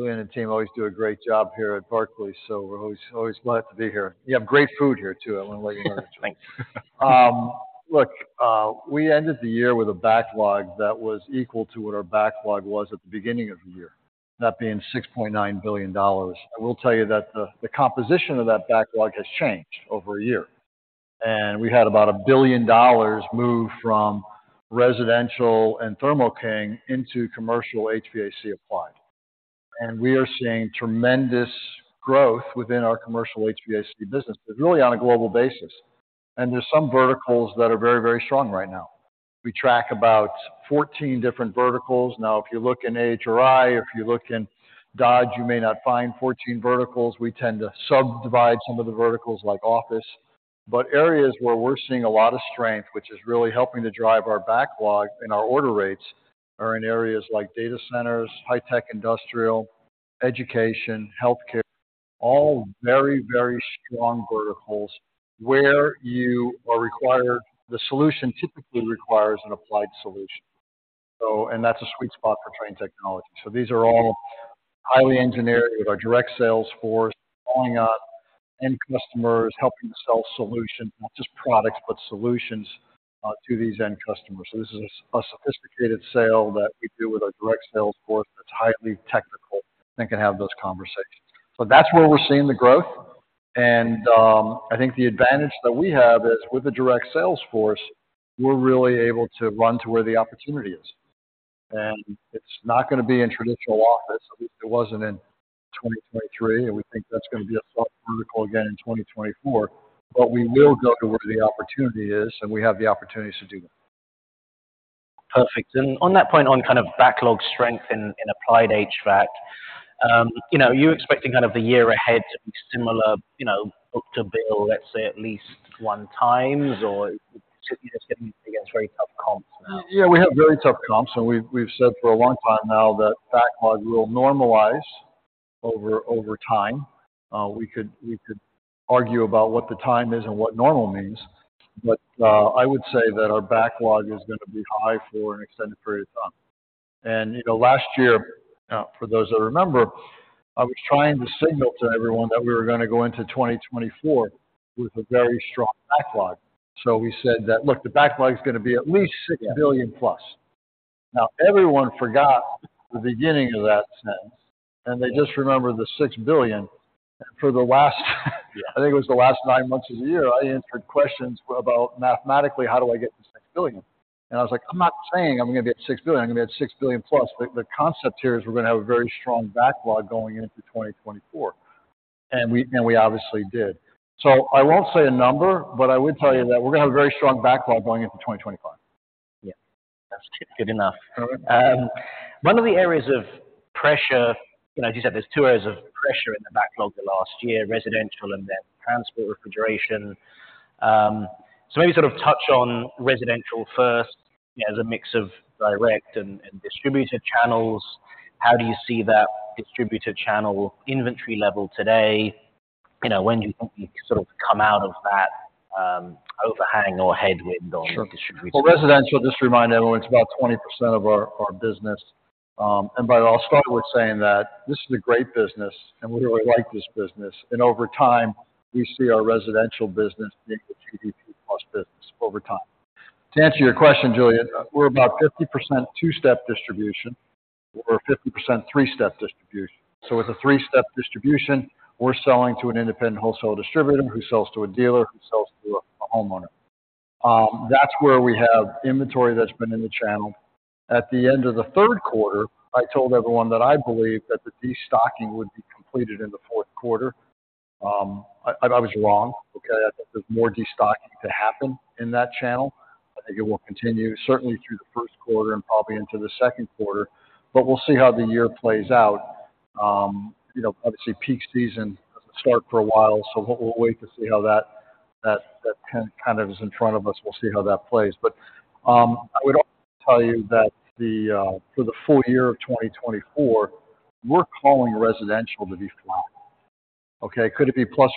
You and the team always do a great job here at Barclays, so we're always, always glad to be here. You have great food here, too. I want to let you know. Thanks. Look, we ended the year with a backlog that was equal to what our backlog was at the beginning of the year, that being $6.9 billion. I will tell you that the, the composition of that backlog has changed over a year, and we had about $1 billion move from residential and Thermo King into commercial HVAC applied. And we are seeing tremendous growth within our commercial HVAC business, but really on a global basis. And there's some verticals that are very, very strong right now. We track about 14 different verticals. Now, if you look in AHRI, or if you look in Dodge, you may not find 14 verticals. We tend to subdivide some of the verticals, like office. But areas where we're seeing a lot of strength, which is really helping to drive our backlog and our order rates, are in areas like data centers, high tech, industrial, education, healthcare, all very, very strong verticals where the solution typically requires an applied solution. So, and that's a sweet spot for Trane Technologies. So these are all highly engineered with our direct sales force, calling up end customers, helping sell solutions, not just products, but solutions, to these end customers. So this is a sophisticated sale that we do with our direct sales force that's highly technical and can have those conversations. So that's where we're seeing the growth. And, I think the advantage that we have is, with a direct sales force, we're really able to run to where the opportunity is. And it's not gonna be in traditional office. At least it wasn't in 2023, and we think that's gonna be a soft vertical again in 2024. But we will go to where the opportunity is, and we have the opportunities to do that. Perfect. And on that point, on kind of backlog strength in Applied HVAC, you know, are you expecting kind of the year ahead to be similar, you know, book to bill, let's say, at least one times, or it's getting against very tough comps now? Yeah, we have very tough comps, and we've said for a long time now that backlog will normalize over time. We could argue about what the time is and what normal means, but I would say that our backlog is gonna be high for an extended period of time. And, you know, last year, for those that remember, I was trying to signal to everyone that we were gonna go into 2024 with a very strong backlog. So we said that: Look, the backlog is gonna be at least $6+ billion. Now, everyone forgot the beginning of that sentence, and they just remembered the $6 billion. For the last, I think it was the last nine months of the year, I answered questions about, mathematically, how do I get to $6 billion? And I was like: I'm not saying I'm gonna be at $6 billion. I'm gonna be at $6+ billion. But the concept here is we're gonna have a very strong backlog going into 2024, and we obviously did. So I won't say a number, but I would tell you that we're gonna have a very strong backlog going into 2025. Yeah, that's good enough. One of the areas of pressure, you know, as you said, there's two areas of pressure in the backlog the last year, residential and then transport refrigeration. So maybe sort of touch on residential first as a mix of direct and distributor channels. How do you see that distributor channel inventory level today? You know, when do you think we sort of come out of that overhang or headwind on distribution? Sure. Well, residential, just to remind everyone, it's about 20% of our, our business. But I'll start with saying that this is a great business, and we really like this business. Over time, we see our residential business being a GDP plus business over time. To answer your question, Julian, we're about 50% two-step distribution, or 50% three-step distribution. So with a three-step distribution, we're selling to an independent wholesale distributor, who sells to a dealer, who sells to a, a homeowner. That's where we have inventory that's been in the channel. At the end of the third quarter, I told everyone that I believed that the destocking would be completed in the fourth quarter. I, I was wrong, okay? I think there's more destocking to happen in that channel. I think it will continue, certainly through the first quarter and probably into the second quarter, but we'll see how the year plays out. You know, obviously, peak season doesn't start for a while, so we'll wait to see how that kind of is in front of us. We'll see how that plays. But I would also tell you that for the full year of 2024, we're calling residential to be flat. Okay, could it be ±1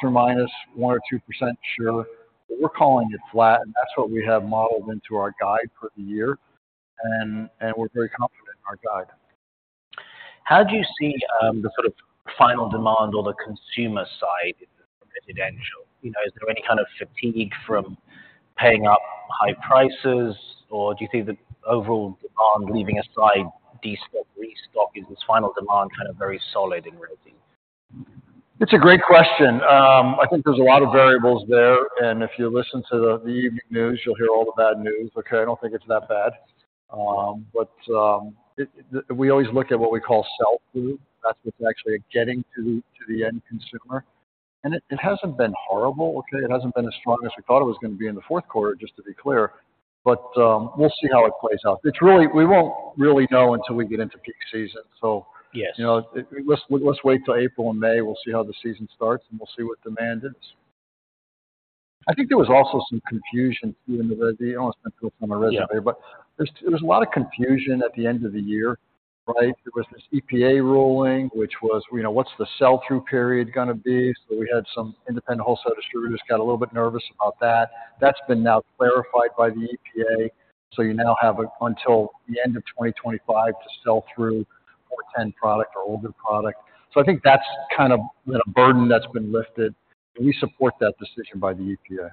or ±2%? Sure. But we're calling it flat, and that's what we have modeled into our guide for the year, and we're very confident in our guide. How do you see the sort of final demand on the consumer side of residential? You know, is there any kind of fatigue from paying up high prices, or do you think the overall demand, leaving aside destock, restock, is this final demand kind of very solid in reality? It's a great question. I think there's a lot of variables there, and if you listen to the evening news, you'll hear all the bad news. Okay, I don't think it's that bad. But we always look at what we call sell-through. That's what's actually getting to the end consumer, and it hasn't been horrible, okay? It hasn't been as strong as we thought it was gonna be in the fourth quarter, just to be clear, but we'll see how it plays out. We won't really know until we get into peak season. So- Yes. You know, let's wait till April and May. We'll see how the season starts, and we'll see what demand is. I think there was also some confusion in the resi I don't want to spend too much time on resi, but- Yeah. There was a lot of confusion at the end of the year, right? There was this EPA ruling, which was, you know, what's the sell-through period gonna be? So we had some independent wholesale distributors got a little bit nervous about that. That's been now clarified by the EPA, so you now have until the end of 2025 to sell through a 410 product or older product. So I think that's kind of a burden that's been lifted, and we support that decision by the EPA.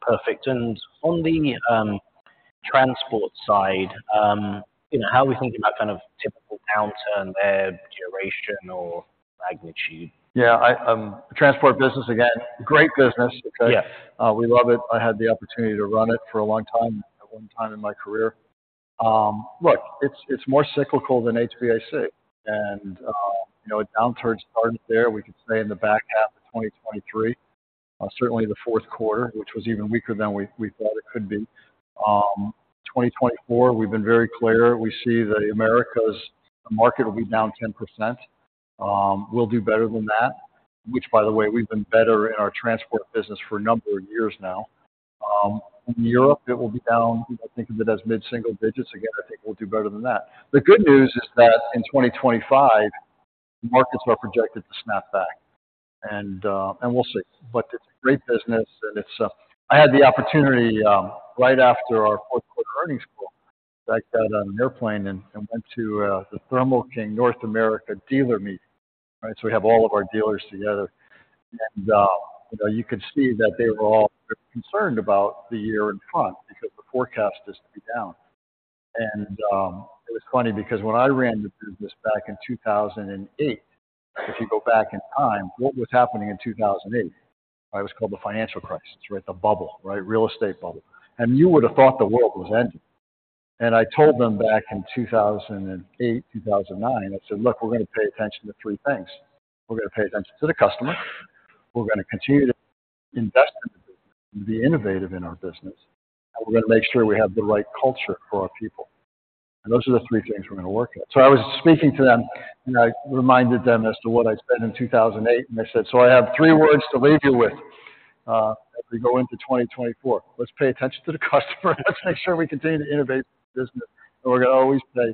Perfect. On the transport side, you know, how are we thinking about kind of typical downturn there, duration or magnitude? Yeah, I, transport business, again, great business, okay? Yeah. We love it. I had the opportunity to run it for a long time, at one time in my career. Look, it's, it's more cyclical than HVAC, and, you know, a downturn started there. We could say in the back half of 2023, certainly the fourth quarter, which was even weaker than we thought it could be. 2024, we've been very clear. We see the Americas market will be down 10%. We'll do better than that, which, by the way, we've been better in our transport business for a number of years now. In Europe, it will be down, you know, thinking of it as mid-single digits. Again, I think we'll do better than that. The good news is that in 2025, the markets are projected to snap back, and we'll see. But it's a great business, and it's... I had the opportunity, right after our fourth quarter earnings call, in fact, got on an airplane and went to the Thermo King North America dealer meeting, right? So we have all of our dealers together, and you know, you could see that they were all concerned about the year in front because the forecast is to be down. And it was funny because when I ran the business back in 2008, if you go back in time, what was happening in 2008? It was called the Financial Crisis, right? The bubble, right? Real estate bubble. And you would have thought the world was ending. And I told them back in 2008, 2009, I said, "Look, we're gonna pay attention to three things. We're gonna pay attention to the customer. We're gonna continue to invest and be innovative in our business, and we're gonna make sure we have the right culture for our people. And those are the three things we're gonna work at." So I was speaking to them, and I reminded them as to what I said in 2008, and I said, "So I have three words to leave you with, as we go into 2024. Let's pay attention to the customer. Let's make sure we continue to innovate business, and we're gonna always pay,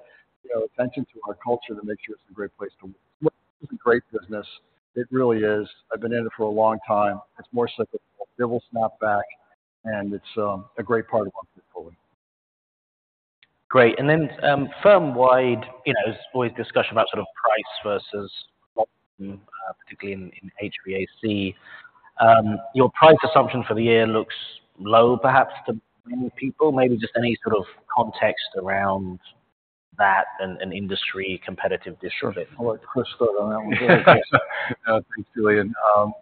you know, attention to our culture to make sure it's a great place to work." It's a great business. It really is. I've been in it for a long time. It's more cyclical. It will snap back, and it's a great part of our portfolio. Great. Then, firm-wide, you know, there's always discussion about sort of price versus, particularly in HVAC. Your price assumption for the year looks low, perhaps to many people. Maybe just any sort of context around that and industry competitive distribution. Sure. I'll let Chris fill in on that one. Thanks, Julian.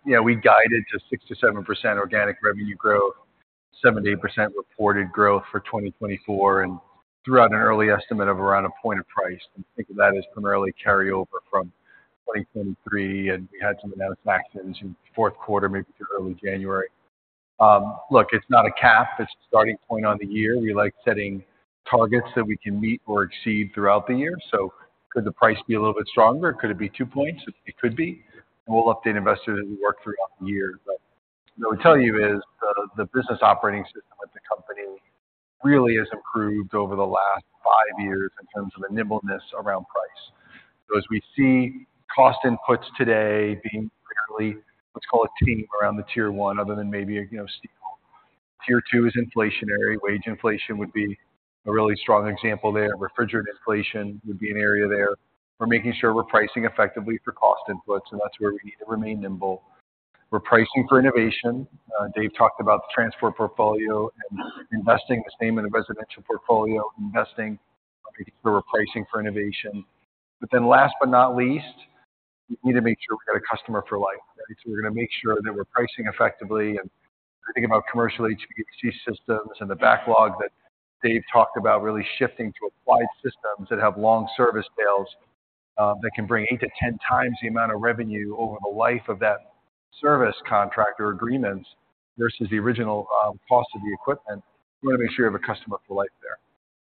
Yeah, we guided to 6%-7% organic revenue growth, 70% reported growth for 2024, and threw out an early estimate of around 1 point of price. We think of that as primarily carryover from 2023, and we had some announcement actions in fourth quarter, maybe through early January. Look, it's not a cap, it's a starting point on the year. We like setting targets that we can meet or exceed throughout the year. So could the price be a little bit stronger? Could it be 2 points? It could be. We'll update investors as we work throughout the year. But what I would tell you is the business operating system at the company really has improved over the last five years in terms of the nimbleness around price. So as we see cost inputs today being primarily what's called tame around the Tier 1, other than maybe, you know, steel. Tier 2 is inflationary. Wage inflation would be a really strong example there. Refrigerant inflation would be an area there. We're making sure we're pricing effectively for cost inputs, and that's where we need to remain nimble. We're pricing for innovation. Dave talked about the transport portfolio and investing the same in the residential portfolio, investing for pricing for innovation. But then last but not least, we need to make sure we've got a customer for life, right? So we're gonna make sure that we're pricing effectively and think about commercial HVAC systems and the backlog that Dave talked about, really shifting to applied systems that have long service tails, that can bring 8x-10x the amount of revenue over the life of that service contract or agreements, versus the original, cost of the equipment. We want to make sure we have a customer for life there.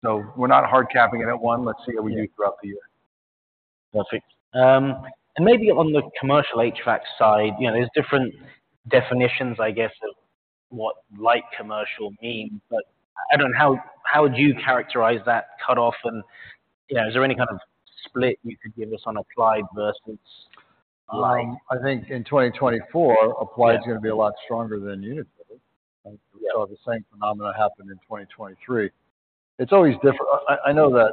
So we're not hard capping it at one. Let's see how we do throughout the year. Perfect. And maybe on the commercial HVAC side, you know, there's different definitions, I guess, of what light commercial means, but I don't know, how would you characterize that cutoff? And, you know, is there any kind of split you could give us on applied versus I think in 2024, applied is gonna be a lot stronger than unitary. Yeah. We saw the same phenomena happened in 2023. It's always different. I, I know that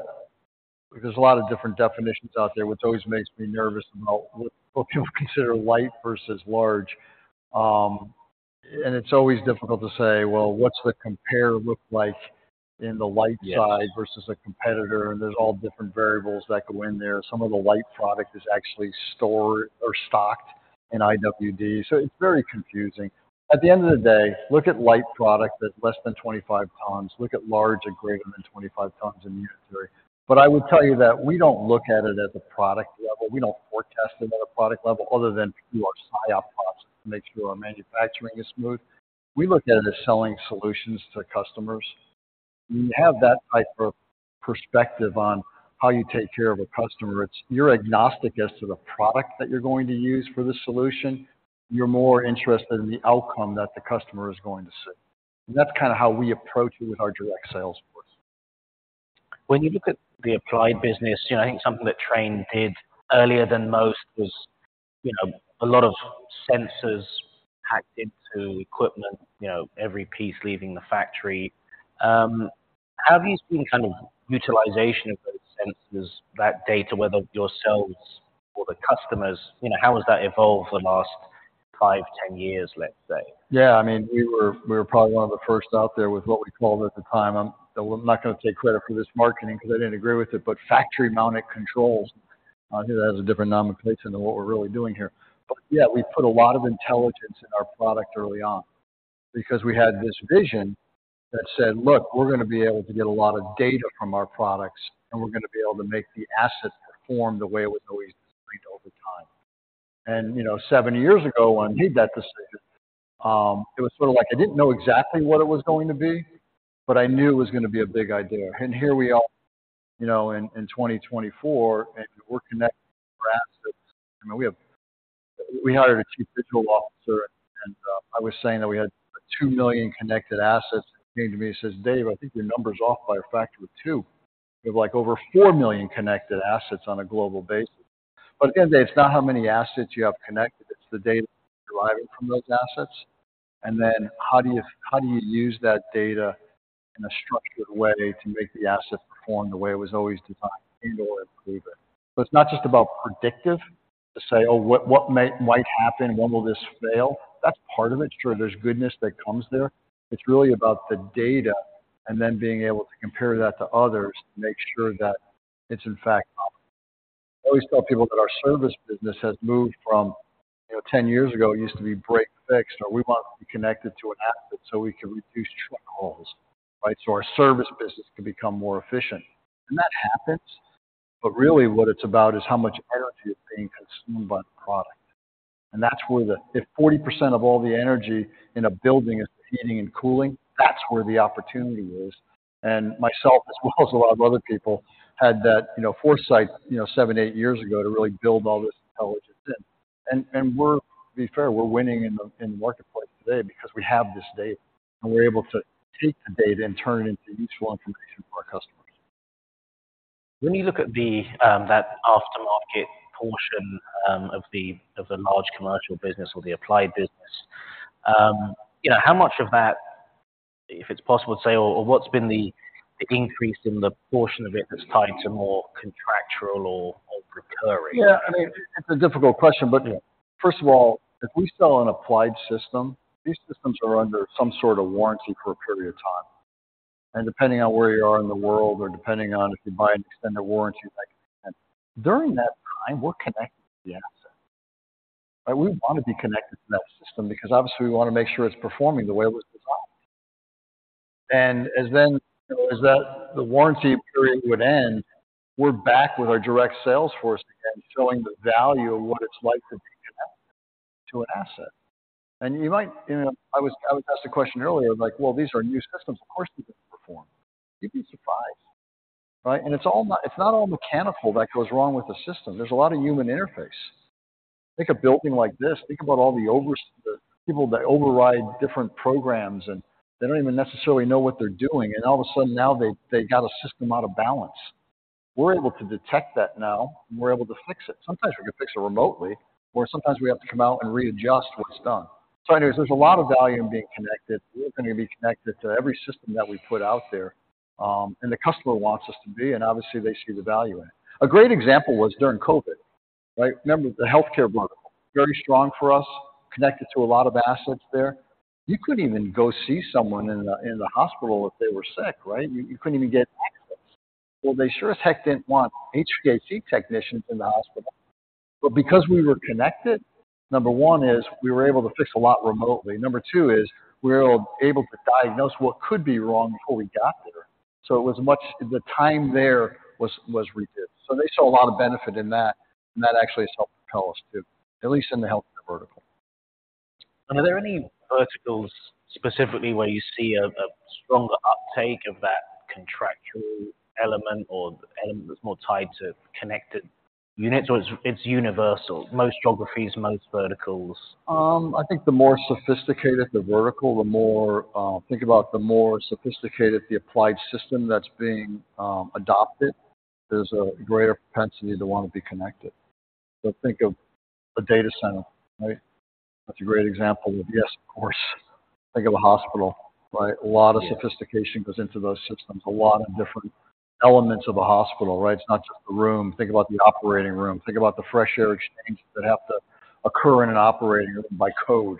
there's a lot of different definitions out there, which always makes me nervous about what, what people consider light versus large. And it's always difficult to say, well, what's the compare look like in the light side- Yes... versus a competitor? And there's all different variables that go in there. Some of the light product is actually stored or stocked in IWD, so it's very confusing. At the end of the day, look at light product that's less than 25 tons, look at large or greater than 25 tons in unitary. But I would tell you that we don't look at it at the product level. We don't forecast it at a product level other than through our SIOP process to make sure our manufacturing is smooth. We look at it as selling solutions to customers. When you have that type of perspective on how you take care of a customer, it's you're agnostic as to the product that you're going to use for the solution. You're more interested in the outcome that the customer is going to see. That's kind of how we approach it with our direct sales force. When you look at the applied business, you know, I think something that Trane did earlier than most was you know, a lot of sensors packed into equipment, you know, every piece leaving the factory. Have you seen kind of utilization of those sensors, that data, whether yourselves or the customers, you know, how has that evolved the last five, 10 years, let's say? Yeah, I mean, we were probably one of the first out there with what we called at the time, I'm—though I'm not gonna take credit for this marketing because I didn't agree with it, but factory-mounted controls. It has a different nomenclature than what we're really doing here. But yeah, we put a lot of intelligence in our product early on because we had this vision that said, "Look, we're gonna be able to get a lot of data from our products, and we're gonna be able to make the asset perform the way it was always designed over time." And, you know, seven years ago, when I made that decision, it was sort of like I didn't know exactly what it was going to be, but I knew it was gonna be a big idea. And here we are, you know, in 2024, and we're connecting our assets. I mean, we have, we hired a Chief Digital Officer, and I was saying that we had 2 million connected assets. He came to me and says, "Dave, I think your number's off by a factor of two. We have, like, over 4 million connected assets on a global basis." But at the end of the day, it's not how many assets you have connected, it's the data deriving from those assets, and then how do you, how do you use that data in a structured way to make the asset perform the way it was always designed to handle it, believe it. So it's not just about predictive, to say, "Oh, what, what might, might happen? When will this fail?" That's part of it. Sure, there's goodness that comes there. It's really about the data and then being able to compare that to others to make sure that it's, in fact, optimal. I always tell people that our service business has moved from, you know, 10 years ago, it used to be break/fix, or we want to be connected to an asset so we can reduce truck calls, right? So our service business can become more efficient. And that happens, but really what it's about is how much energy is being consumed by the product. And that's where the... If 40% of all the energy in a building is heating and cooling, that's where the opportunity is. And myself, as well as a lot of other people, had that, you know, foresight, you know, seven, eight years ago, to really build all this intelligence in. To be fair, we're winning in the marketplace today because we have this data, and we're able to take the data and turn it into useful information for our customers. When you look at the aftermarket portion of the large commercial business or the applied business, you know, how much of that, if it's possible to say, or what's been the increase in the portion of it that's tied to more contractual or recurring? Yeah, I mean, it's a difficult question, but first of all, if we sell an applied system, these systems are under some sort of warranty for a period of time. And depending on where you are in the world, or depending on if you buy an extended warranty like that. During that time, we're connected to the asset, and we want to be connected to that system because obviously we want to make sure it's performing the way it was designed. And then, you know, as that, the warranty period would end, we're back with our direct sales force again, showing the value of what it's like to be connected to an asset. And you might, you know... I was, I was asked a question earlier, like, "Well, these are new systems. Of course, they're going to perform." You'd be surprised, right? It's all mechanical that goes wrong with the system. There's a lot of human interface. Think a building like this, think about all the overrides, the people that override different programs, and they don't even necessarily know what they're doing, and all of a sudden, now they, they got a system out of balance. We're able to detect that now, and we're able to fix it. Sometimes we can fix it remotely, or sometimes we have to come out and readjust what's done. So anyways, there's a lot of value in being connected. We're going to be connected to every system that we put out there, and the customer wants us to be, and obviously, they see the value in it. A great example was during COVID, right? Remember, the healthcare market, very strong for us, connected to a lot of assets there. You couldn't even go see someone in the hospital if they were sick, right? You couldn't even get access. Well, they sure as heck didn't want HVAC technicians in the hospital. But because we were connected, number one is, we were able to fix a lot remotely. Number two is, we were able to diagnose what could be wrong before we got there. So it was much the time there was reduced. So they saw a lot of benefit in that, and that actually has helped propel us, too, at least in the healthcare vertical. Are there any verticals specifically where you see a stronger uptake of that contractual element or the element that's more tied to connected units, or it's universal, most geographies, most verticals? I think the more sophisticated the vertical, the more, think about the more sophisticated the applied system that's being adopted, there's a greater propensity to want to be connected. So think of a data center, right? That's a great example of yes, of course. Think of a hospital, right? Yeah. A lot of sophistication goes into those systems, a lot of different elements of a hospital, right? It's not just the room. Think about the operating room. Think about the fresh air exchanges that have to occur in an operating room by code.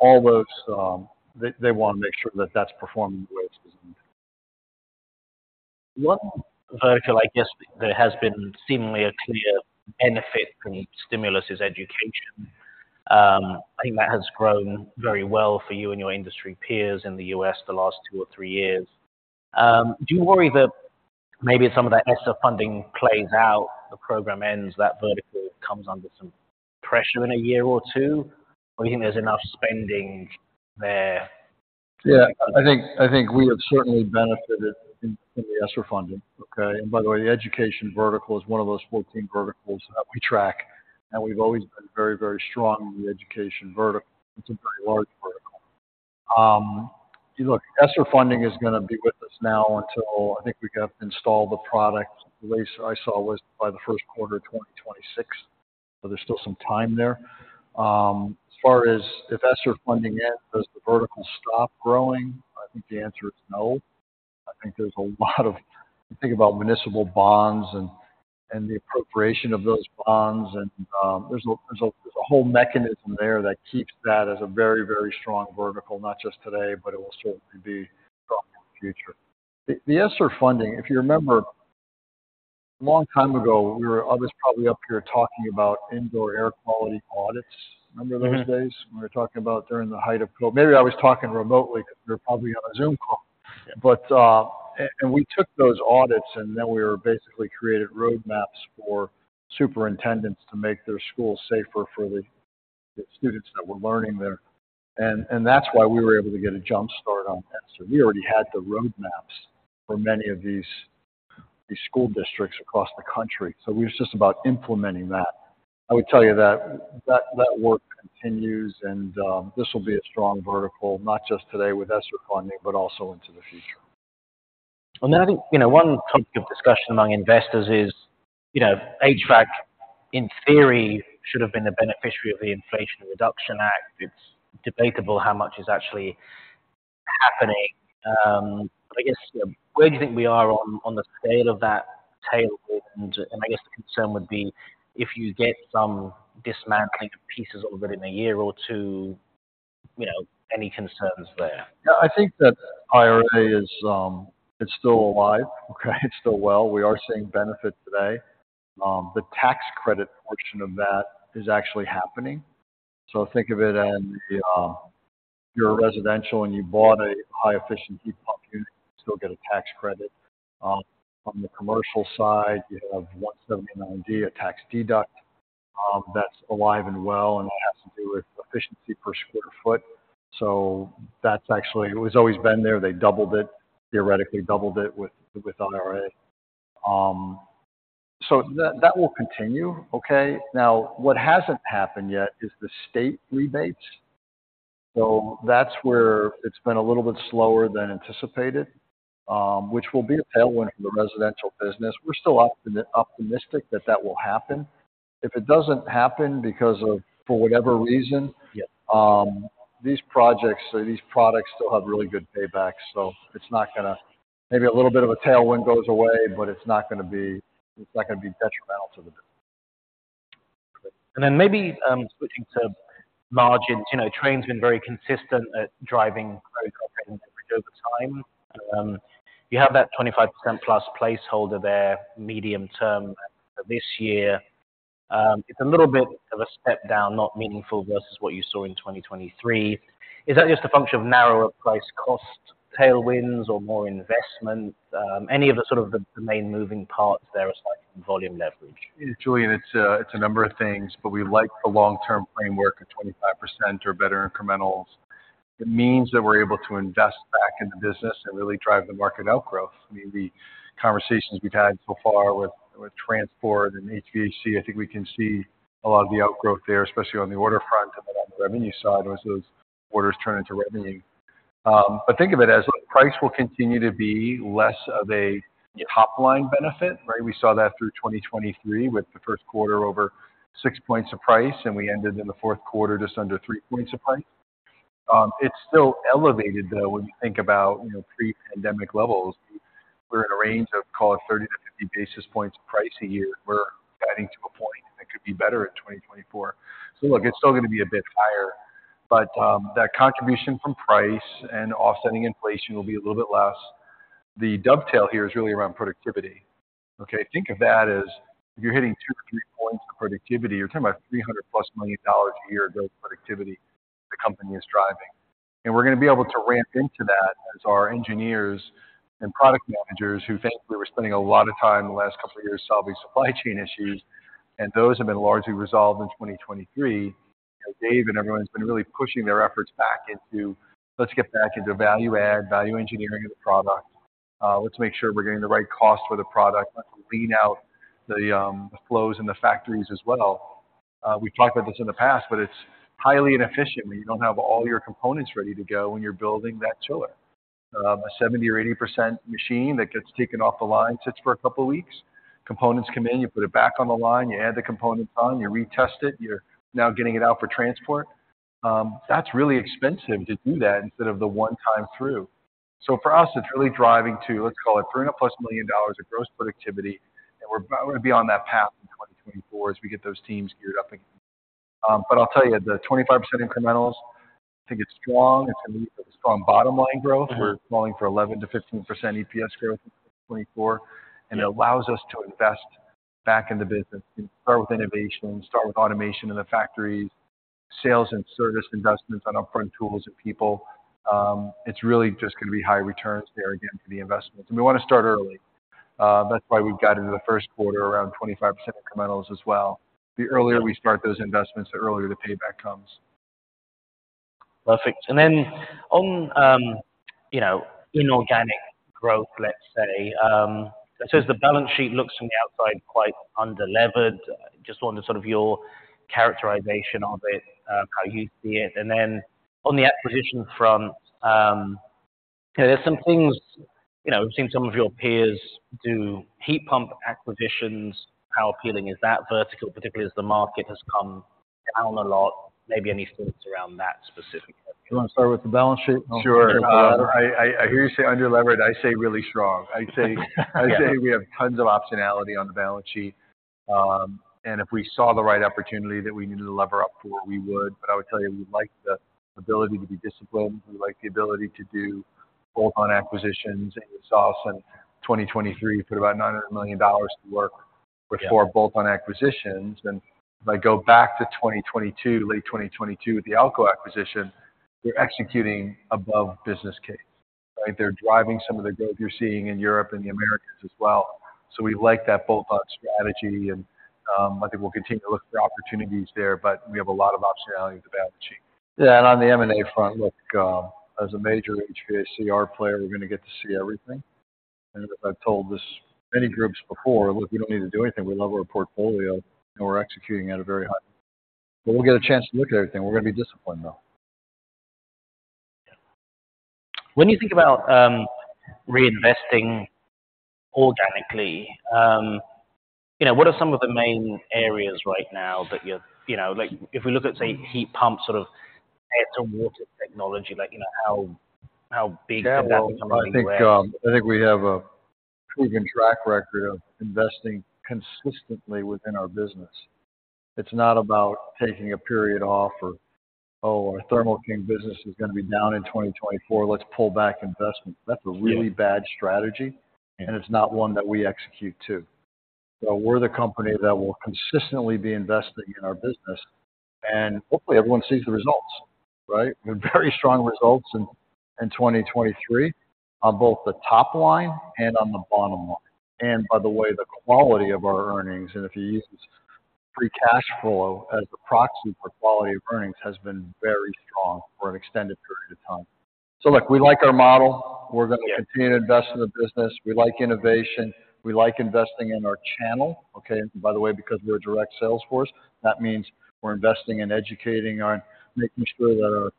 All those, they want to make sure that that's performing the way it's designed. One vertical, I guess, that has been seemingly a clear benefit from stimulus is education. I think that has grown very well for you and your industry peers in the U.S. the last two or three years. Do you worry that maybe some of that ESSER funding plays out, the program ends, that vertical comes under some pressure in a year or two? Or you think there's enough spending there? Yeah, I think, I think we have certainly benefited in, in the ESSER funding, okay? By the way, the education vertical is one of those 14 verticals that we track, and we've always been very, very strong on the education vertical. It's a very large vertical.... Look, ESSER funding is going to be with us now until I think we have installed the product. The latest I saw was by the first quarter of 2026, so there's still some time there. As far as if ESSER funding ends, does the vertical stop growing? I think the answer is no. I think there's a lot of, you think about municipal bonds and, and the appropriation of those bonds, and, there's a whole mechanism there that keeps that as a very, very strong vertical, not just today, but it will certainly be strong in the future. The ESSER funding, if you remember, a long time ago, we were. I was probably up here talking about indoor air quality audits. Remember those days? Mm-hmm. We were talking about during the height of COVID. Maybe I was talking remotely because we were probably on a Zoom call. Yeah. But, and we took those audits, and then we were basically created roadmaps for superintendents to make their schools safer for the students that were learning there. And that's why we were able to get a jump start on ESSER. We already had the roadmaps for many of these school districts across the country, so it was just about implementing that. I would tell you that work continues and this will be a strong vertical, not just today with ESSER funding, but also into the future. Then I think, you know, one topic of discussion among investors is, you know, HVAC, in theory, should have been the beneficiary of the Inflation Reduction Act. It's debatable how much is actually happening. I guess, where do you think we are on the state of that tailwind? And I guess the concern would be if you get some dismantling of pieces of it in a year or two, you know, any concerns there? Yeah, I think that IRA is, it's still alive, okay? It's still well. We are seeing benefit today. The tax credit portion of that is actually happening. So think of it as, you're residential, and you bought a high-efficiency heat pump unit, you still get a tax credit. On the commercial side, you have 179D, a tax deduct, that's alive and well, and that has to do with efficiency per square foot. So that's actually, it has always been there. They doubled it, theoretically doubled it with IRA. So that will continue. Okay? Now, what hasn't happened yet is the state rebates. So that's where it's been a little bit slower than anticipated, which will be a tailwind for the residential business. We're still optimistic that that will happen. If it doesn't happen because of, for whatever reason- Yeah... these projects or these products still have really good payback. So it's not gonna, maybe a little bit of a tailwind goes away, but it's not gonna be, it's not gonna be detrimental to the business. Then maybe switching to margins. You know, Trane's been very consistent at driving gross margin over time. You have that 25%+ placeholder there, medium term this year. It's a little bit of a step down, not meaningful versus what you saw in 2023. Is that just a function of narrower price cost tailwinds or more investment? Any of the sort of the main moving parts there, aside from volume leverage? Julian, it's a number of things, but we like the long-term framework of 25% or better incrementals. It means that we're able to invest back in the business and really drive the market outgrowth. I mean, the conversations we've had so far with transport and HVAC, I think we can see a lot of the outgrowth there, especially on the order front and then on the revenue side, as those orders turn into revenue. But think of it as price will continue to be less of a top-line benefit, right? We saw that through 2023, with the first quarter over 6 points of price, and we ended in the fourth quarter just under 3 points of price. It's still elevated, though, when you think about, you know, pre-pandemic levels. We're in a range of, call it, 30 basis points-50 basis points of price a year. We're getting to a point that could be better in 2024. So look, it's still going to be a bit higher, but that contribution from price and offsetting inflation will be a little bit less. The dovetail here is really around productivity. Okay, think of that as you're hitting 2 points-3 points of productivity. You're talking about $300+ million a year of growth productivity the company is driving. And we're going to be able to ramp into that as our engineers and product managers, who thankfully, were spending a lot of time in the last couple of years solving supply chain issues, and those have been largely resolved in 2023. Dave and everyone's been really pushing their efforts back into, "Let's get back into value add, value engineering of the product. Let's make sure we're getting the right cost for the product. Let's lean out the flows in the factories as well." We've talked about this in the past, but it's highly inefficient when you don't have all your components ready to go when you're building that chiller. A 70% or 80% machine that gets taken off the line, sits for a couple of weeks. Components come in, you put it back on the line, you add the components on, you retest it, you're now getting it out for transport. That's really expensive to do that instead of the one time through. So for us, it's really driving to, let's call it, $300+ million of gross productivity, and we're beyond that path in 2024 as we get those teams geared up again. But I'll tell you, the 25% incrementals, I think it's strong. It's a strong bottom line growth. Mm-hmm. We're calling for 11%-15% EPS growth in 2024. Yeah. And it allows us to invest back in the business. Start with innovation, start with automation in the factories, sales and service investments on upfront tools and people. It's really just going to be high returns there again, for the investments. And we want to start early. That's why we've got into the first quarter around 25% incrementals as well. The earlier we start those investments, the earlier the payback comes. Perfect. And then on, you know, inorganic growth, let's say. So as the balance sheet looks from the outside, quite underlevered, just wanted sort of your characterization of it, how you see it. And then on the acquisition front, there's some things, you know, we've seen some of your peers do heat pump acquisitions. How appealing is that vertical, particularly as the market has come down a lot? Maybe any thoughts around that specific question. You want to start with the balance sheet? Sure. I hear you say underlevered, I say really strong. I'd say, I'd say we have tons of optionality on the balance sheet. And if we saw the right opportunity that we needed to lever up for, we would. But I would tell you, we like the ability to be disciplined. We like the ability to do both on acquisitions, and you saw us in 2023, put about $900 million to work- Yeah. For both on acquisitions. If I go back to 2022, late 2022, with the AL-KO acquisition, they're executing above business case, right? They're driving some of the growth you're seeing in Europe and the Americas as well. We like that bolt-on strategy and, I think we'll continue to look for opportunities there, but we have a lot of optionality with the balance sheet. Yeah, and on the M&A front, look, as a major HVACR player, we're going to get to see everything. And I've told this many groups before, "Look, we don't need to do anything. We love our portfolio, and we're executing at a very high..." But we'll get a chance to look at everything. We're going to be disciplined, though. When you think about reinvesting organically, you know, what are some of the main areas right now that you're? You know, like, if we look at, say, heat pump, sort of air to water technology, like, you know, how big could that become? I think, I think we have a proven track record of investing consistently within our business. It's not about taking a period off or, "Oh, our Thermo King business is going to be down in 2024. Let's pull back investment. Yeah. That's a really bad strategy, and it's not one that we execute to. So we're the company that will consistently be investing in our business, and hopefully, everyone sees the results, right? We had very strong results in 2023 on both the top line and on the bottom line. And by the way, the quality of our earnings, and if you use free cash flow as a proxy for quality of earnings, has been very strong for an extended period of time. So look, we like our model. Yeah. We're going to continue to invest in the business. We like innovation, we like investing in our channel. Okay, and by the way, because we're a direct sales force, that means we're investing in educating our, making sure that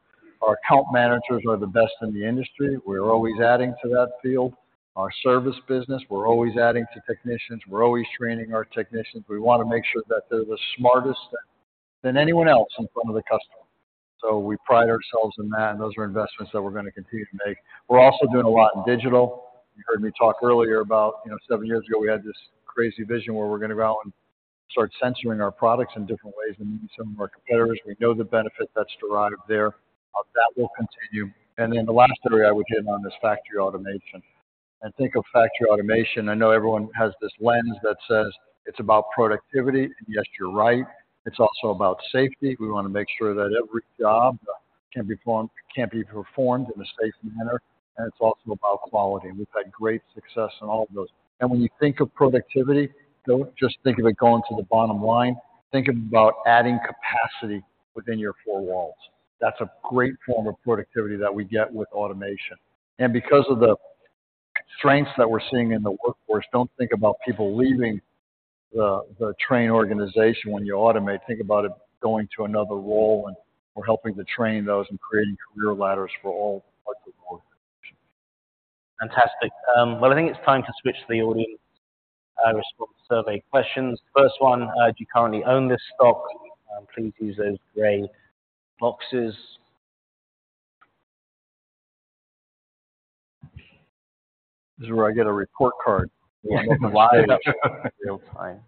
our account managers are the best in the industry. We're always adding to that field. Our service business, we're always adding to technicians, we're always training our technicians. We want to make sure that they're the smartest than anyone else in front of the customer. So we pride ourselves in that, and those are investments that we're going to continue to make. We're also doing a lot in digital. You heard me talk earlier about, you know, seven years ago, we had this crazy vision where we're going to go out and start sensing our products in different ways than maybe some of our competitors. We know the benefit that's derived there. That will continue. And then the last area I would hit on is factory automation. I think of factory automation, I know everyone has this lens that says it's about productivity, and yes, you're right. It's also about safety. We want to make sure that every job can be performed in a safe manner, and it's also about quality. And we've had great success in all of those. And when you think of productivity, don't just think of it going to the bottom line. Think about adding capacity within your four walls. That's a great form of productivity that we get with automation. And because of the strengths that we're seeing in the workforce, don't think about people leaving the Trane organization when you automate. Think about it going to another role and we're helping to train those and creating career ladders for all like before. Fantastic. Well, I think it's time to switch to the audience response survey questions. First one, do you currently own this stock? Please use those gray boxes. This is where I get a report card. Live, real time.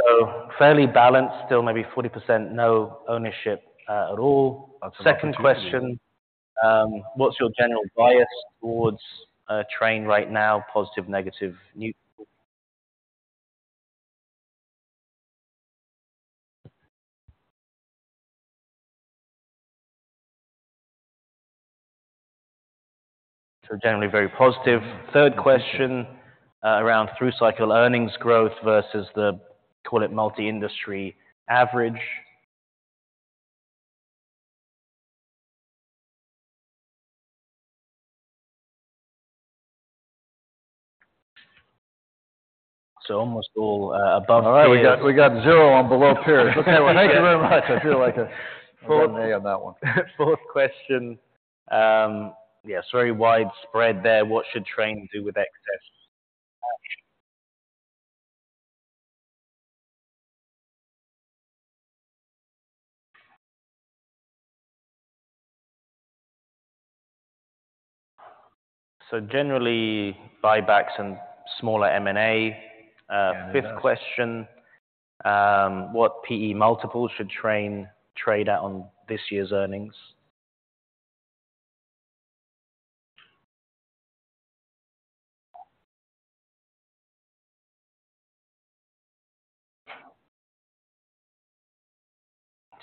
So fairly balanced. Still, maybe 40% no ownership at all. Second question, what's your general bias towards Trane right now? Positive, negative, neutral. So generally very positive. Third question, around through cycle earnings growth versus the, call it, multi-industry average. So almost all above- All right. We got zero on below peer. Thank you very much. I feel like a- I got an A on that one. Fourth question. Yes, very widespread there. What should Trane do with excess cash? So generally, buybacks and smaller M&A. Yeah. Fifth question, what P/E multiples should Trane trade out on this year's earnings?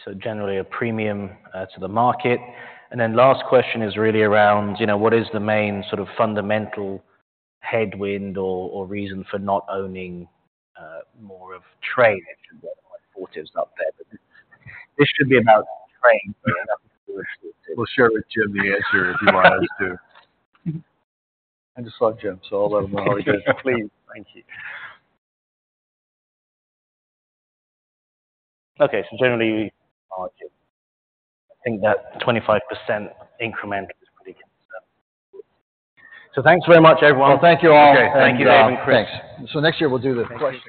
So generally a premium to the market. And then last question is really around, you know, what is the main sort of fundamental headwind or reason for not owning more of Trane? Fortive is up there, but this should be about Trane here, nothing to do with Fortive. We'll share with Jim the answer, if you want us to. I just saw Jim, so I'll let him know. Please. Thank you. Okay, so generally, I think that 25% incremental is pretty good. So thanks very much, everyone. Well, thank you all. Okay. Thank you. Dave and Chris. Thanks. So next year, we'll do the questions-